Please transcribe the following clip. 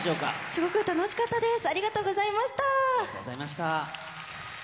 すごく楽しかったです。